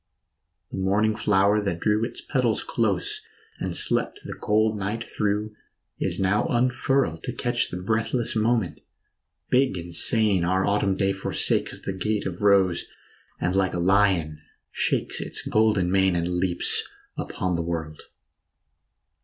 The morning flower that drew its petals close And slept the cold night through is now unfurled To catch the breathless moment ; big and sane Our autumn day forsakes the gates of rose, And like a lion shakes its golden mane And leaps upon the world.